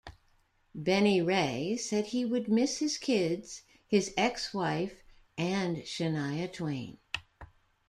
Benny Ray said he would miss his kids, his ex-wife and Shania Twain.